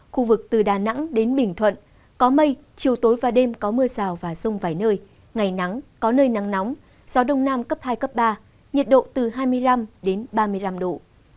khu vực từ đà nẵng đến bình thuận có mây chiều tối và đêm có mưa rào và rông vài nơi ngày nắng có nơi nắng nóng gió đông nam cấp hai cấp ba nhiệt độ từ hai mươi năm ba mươi năm độ